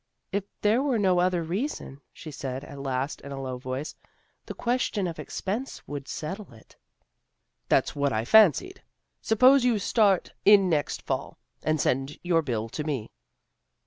" If there were no other reason," she said at last, in a low voice, " the question of expense would settle it." " That's what I fancied. Suppose you start in next fall, and send your bill to me."